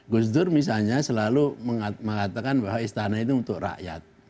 gus dur misalnya selalu mengatakan bahwa istana itu untuk rakyat